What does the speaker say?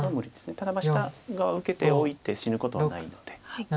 ただ下側受けておいて死ぬことはないので。